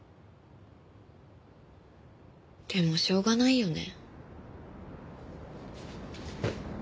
でもしょうがないよね。